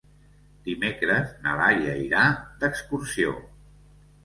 Dimecres na Laia irà d'excursió.